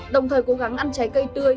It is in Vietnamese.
đồng thời cố gắng ăn trái cây tươi